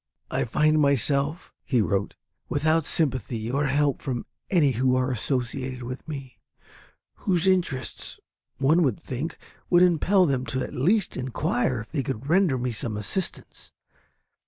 I find myself [he wrote] without sympathy or help from any who are associated with me, whose interests, one would think, would impell them to at least inquire if they could render me some assistance.